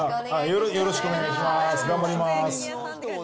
よろしくお願いします。